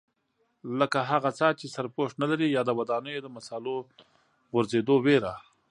لکه هغه څاه چې سرپوښ نه لري یا د ودانیو د مسالو غورځېدو وېره.